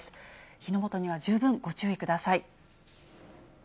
火の元には十分ご注意ください。